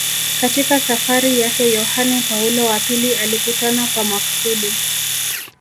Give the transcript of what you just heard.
Katika safari zake Yohane Paulo wa pili alikutana kwa makusudi